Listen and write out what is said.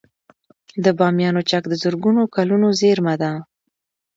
د بامیانو چک د زرګونه کلونو زیرمه ده